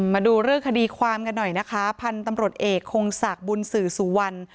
มาดูเรื่องคดีความกันหน่อยนะคะพันธุ์ตำรวจเอกคงศักดิ์บุญสื่อสุวรรณ